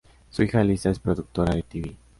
Su hija Lisa es productora de tv.